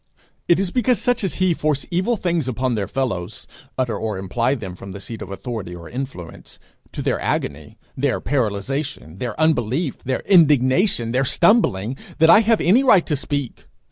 It is because such as he force evil things upon their fellows utter or imply them from the seat of authority or influence to their agony, their paralysation, their unbelief, their indignation, their stumbling, that I have any right to speak.